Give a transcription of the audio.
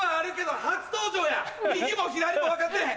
右も左も分かってない。